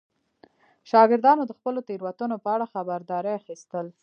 شاګردان د خپلو تېروتنو په اړه خبرداری اخیستل.